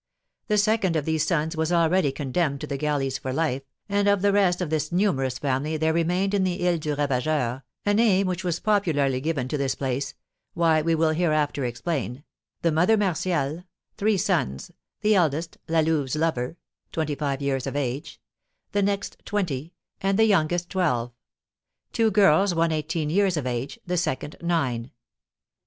The second of these sons was already condemned to the galleys for life, and of the rest of this numerous family there remained in the Ile du Ravageur (a name which was popularly given to this place; why, we will hereafter explain) the Mother Martial; three sons, the eldest (La Louve's lover) twenty five years of age, the next twenty, and the youngest twelve; two girls, one eighteen years of age, the second nine.